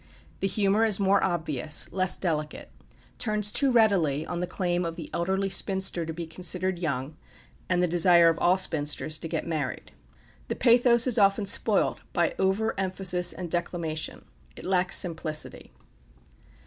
The humour is more obvious, less delicate, turns too readily on the claim of the elderly spinster to be considered young, and the desire of all spinsters to get married. The pathos is often spoilt by over emphasis and declamation. It lacks simplicity.